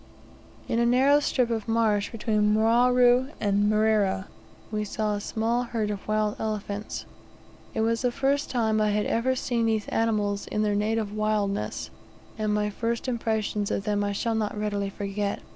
In a narrow strip of marsh between Mwaru and Mrera, we saw a small herd of wild elephants. It was the first time I had ever seen these animals in their native wildness, and my first impressions of them I shall not readily forget.